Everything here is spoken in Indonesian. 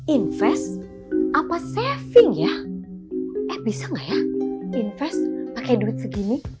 invest apa saving ya eh bisa nggak ya invest pakai duit segini